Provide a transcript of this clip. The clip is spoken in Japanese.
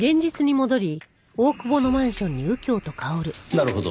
なるほど。